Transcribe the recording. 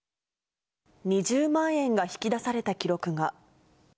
２０万円が引き出された記録が。